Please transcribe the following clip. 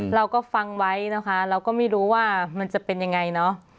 เราก็ฟังไว้นะคะเราก็ไม่รู้ว่ามันจะเป็นยังไงเนอะ